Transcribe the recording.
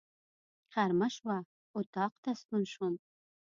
غرمه شوه، اطاق ته ستون شوم.